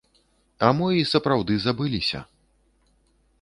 А мо і сапраўды забыліся.